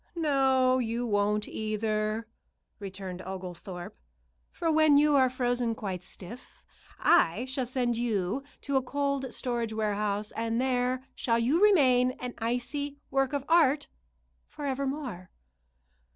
"No, you won't, either," returned Oglethorpe; "for when you are frozen quite stiff, I shall send you to a cold storage warehouse, and there shall you remain an icy work of art forever more."